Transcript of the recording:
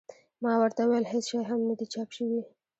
ما ورته وویل هېڅ شی هم نه دي چاپ شوي.